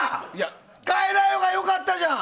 変えないほうが良かったじゃん！